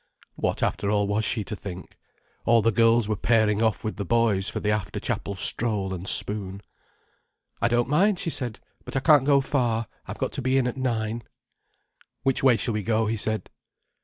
What, after all, was she to think? All the girls were pairing off with the boys for the after chapel stroll and spoon. "I don't mind," she said. "But I can't go far. I've got to be in at nine." "Which way shall we go?" he said.